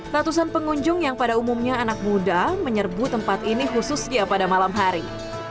ratusan pengunjung yang pada umumnya anak muda menyerbu tempat ini khususnya pada malam hari